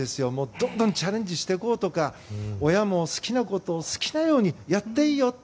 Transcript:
どんどんチャレンジしてこうとか親も好きなことを好きなようにやっていいよと。